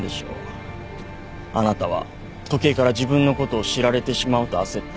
あなたは時計から自分のことを知られてしまうと焦った。